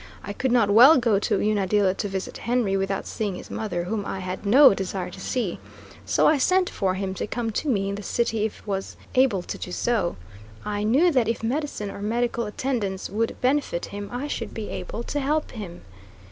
I could not well go to Unadilla to visit Henry without seeing his mother, whom I had no desire to see; so I sent for him to come to me in the city if was able to do so. I knew that if medicine or medical attendance would benefit him, I should be able to help him.